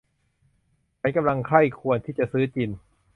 ฉันกำลังใคร่ครวญที่จะซื้อจิน